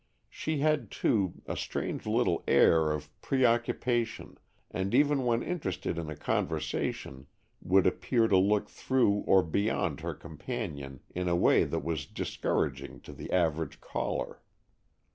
She had, too, a strange little air of preoccupation, and even when interested in a conversation would appear to look through or beyond her companion in a way that was discouraging to the average caller.